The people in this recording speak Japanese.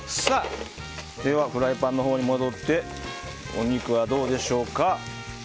ではフライパンのほうに戻ってお肉はどうでしょうか。